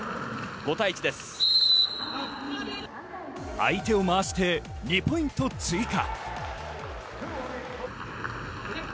相手を回して２ポイント追加。